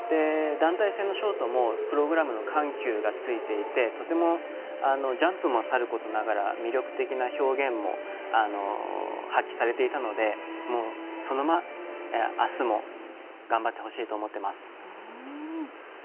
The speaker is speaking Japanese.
団体戦のショートもプログラムの緩急がついていてジャンプのさることながら魅力的な表現も発揮されていたのでそのまま、あすも頑張ってほしいと思っています。